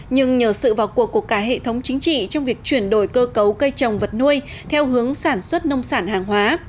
nhưng nhờ sự vào cuộc của cả hệ thống chính trị trong việc chuyển đổi cơ cấu cây trồng vật nuôi theo hướng sản xuất nông sản hàng hóa